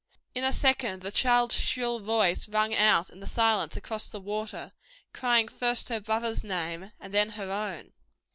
In a second the child's shrill voice rang out in the silence across the water, crying first her brother's name, and then her own.